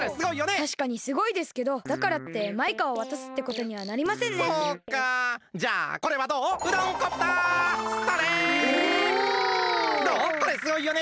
たしかにすごいですけどだからってマイカをわたすってことにはなりませんね。